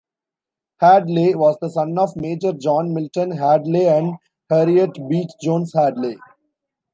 Hadley was the son of Major John Milton Hadley and Harriet Beach Jones Hadley.